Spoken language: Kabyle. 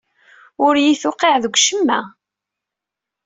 Ur iyi-tuqqiɛ deg ucemma.